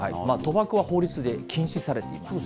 賭博は法律で禁止されています。